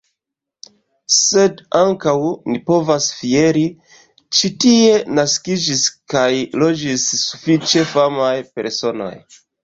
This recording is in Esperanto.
Sed ankaŭ ni povas fieri – ĉi tie naskiĝis kaj loĝis sufiĉe famaj personoj.